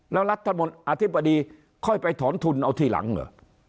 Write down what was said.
แล้วรัฐมนตรีอธิบดีค่อยไปถอนทุนเอาทีหลังเหรอ